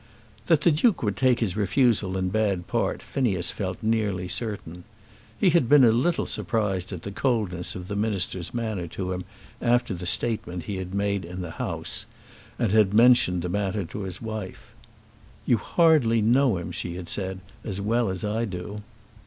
That the Duke would take his refusal in bad part Phineas felt nearly certain. He had been a little surprised at the coldness of the Minister's manner to him after the statement he had made in the house, and had mentioned the matter to his wife. "You hardly know him," she had said, "as well as I do."